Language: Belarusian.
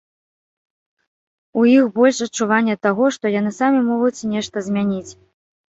У іх больш адчування таго, што яны самі могуць нешта змяніць.